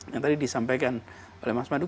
yang tadi disampaikan oleh mas waduk